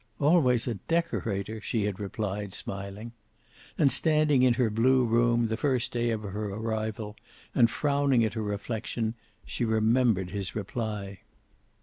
"Always a decorator!" she had replied, smiling. And, standing in her blue room, the first day of her arrival, and frowning at her reflection, she remembered his reply.